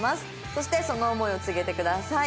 そしてその思いを告げてください。